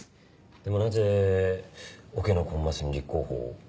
でもなぜオケのコンマスに立候補を？